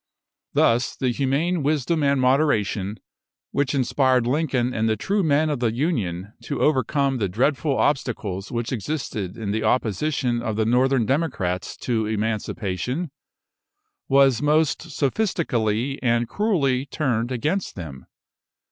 Thus the humane wisdom and moderation, which inspired Lincoln and the true men of the Union to overcome the dreadful obstacles which existed in the opposition of the Northern democrats to Emancipation, was most sophistically and cruelly turned against them.